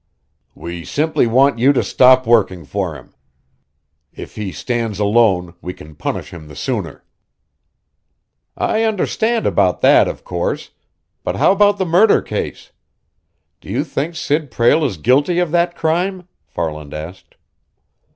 "We simply want you to stop working for him. If he stands alone, we can punish him the sooner." "I understand about that, of course. But how about the murder case? Do you think Sid Prale is guilty of that crime?" Farland asked.